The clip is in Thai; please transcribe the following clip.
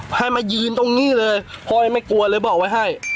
ให้มายืนตรงนี้เลยพ่อยังไม่กลัวเลยบอกไว้ให้